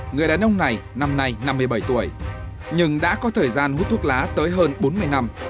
người đàn ông này năm nay năm mươi bảy tuổi nhưng đã có thời gian hút thuốc lá tới hơn bốn mươi năm